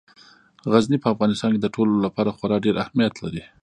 غزني په افغانستان کې د ټولو لپاره خورا ډېر اهمیت لري.